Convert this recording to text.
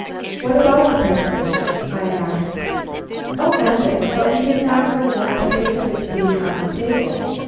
"What about the pin cushion?" I asked. "O nothing, but we did not know what to make of its being on the table.